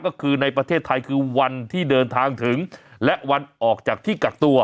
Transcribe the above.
ก็คือในประเทศไทยคือวันที่เดินทางถึงและวันออกจากที่กักตัว